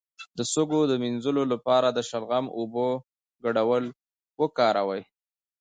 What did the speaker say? د سږو د مینځلو لپاره د شلغم او اوبو ګډول وکاروئ